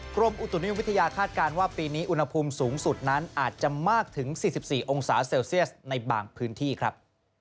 กรมอุตุนิยมวิทยาคาดการณ์ว่าปีนี้อุณหภูมิสูงสุดนั้นอาจจะมากถึง๔๔องศาเซลเซียสในบางพื้นที่ครับ